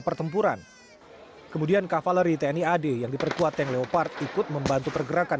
pertempuran kemudian kavaleri tni ad yang diperkuat tank leopard ikut membantu pergerakan